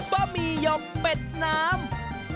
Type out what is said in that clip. บะหมี่หยกเป็ดน้ำ